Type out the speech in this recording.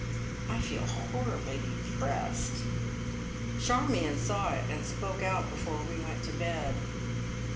I feel horribly depressed. Charmion saw it, and spoke out before we went to bed.